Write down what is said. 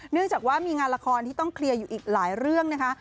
เนื่องจากว่ามีงานละครที่ต้องเคลียร์อยู่อีกหลายเรื่องนะคะ